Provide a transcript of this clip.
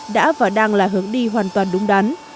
đã và đang là hướng đi hoàn toàn đúng đắn